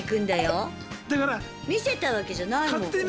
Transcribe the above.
見せたわけじゃないもん。